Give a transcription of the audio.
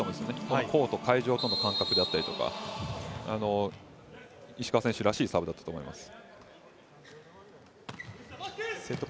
このコート、会場との感覚であったりとか石川選手らしいサーブだったと思います。